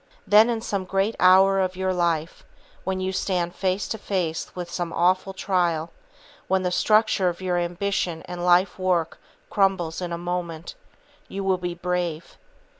Then, in some great hour of your life, when you stand face to face with some awful trial, when the structure of your ambition and life work crumbles in a moment, you will be brave.